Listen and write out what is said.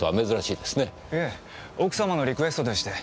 いえ奥様のリクエストでして。